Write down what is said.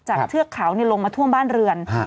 เทือกเขาลงมาท่วมบ้านเรือน